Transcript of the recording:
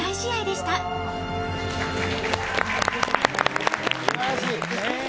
すばらしい！